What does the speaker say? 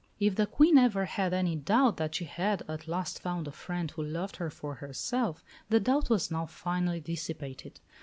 If the Queen ever had any doubt that she had at last found a friend who loved her for herself, the doubt was now finally dissipated.